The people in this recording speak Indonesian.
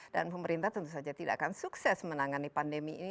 dan pemerintah tentu saja tidak akan sukses menangani pandemi ini